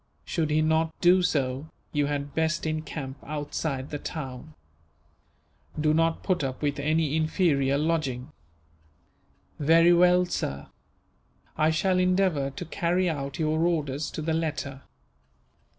Should he not do so, you had best encamp outside the town. Do not put up with any inferior lodging." "Very well, sir; I shall endeavour to carry out your orders, to the letter."